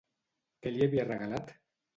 Què li havia regalat?